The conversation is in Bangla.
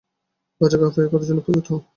বাজুকা ফায়ার করার জন্য প্রস্তুত হও!